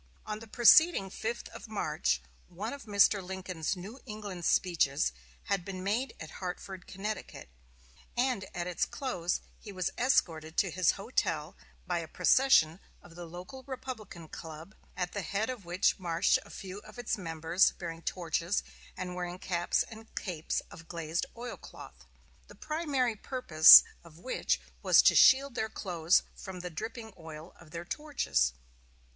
On the preceding 5th of March, one of Mr. Lincoln's New England speeches had been made at Hartford, Connecticut; and at its close he was escorted to his hotel by a procession of the local Republican club, at the head of which marched a few of its members bearing torches and wearing caps and capes of glazed oilcloth, the primary purpose of which was to shield their clothes from the dripping oil of their torches.